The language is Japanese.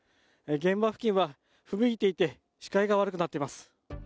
現場付近はふぶいていて、視界が悪くなっています。